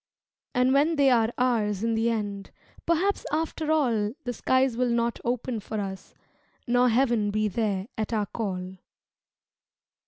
And when they are ours in the end Perhaps after all The skies will not open for us Nor heaven be there at our call.